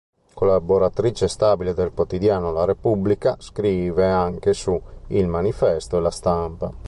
Collaboratrice stabile del quotidiano "la Repubblica", scrive anche su "il manifesto" e "La Stampa".